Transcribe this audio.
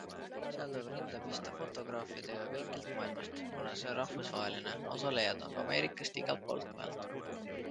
Seal tuleb rinda pista fotograafidega kõikjalt maailmast, kuna see on rahvusvaheline - osalejaid on ka Ameerikast ja igalt poolt mujalt.